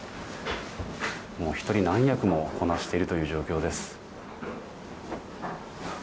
もう１人何役もこなしているという状況です。